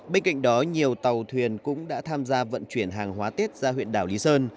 bên cạnh đó nhiều tàu thuyền cũng đã tham gia vận chuyển hàng hóa tết ra huyện đảo lý sơn